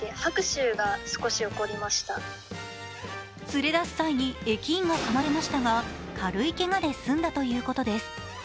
連れ出す際に駅員がかまれましたが軽いけがで済んだということです。